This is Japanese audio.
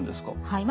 はい。